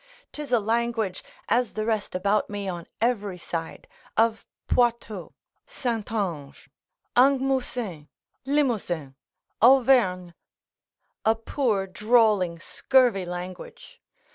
'Tis a language (as the rest about me on every side, of Poitou, Xaintonge, Angoumousin, Limousin, Auvergne), a poor, drawling, scurvy language.